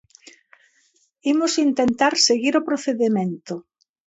Imos intentar seguir o procedemento.